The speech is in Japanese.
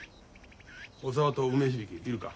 小沢と梅響いるか？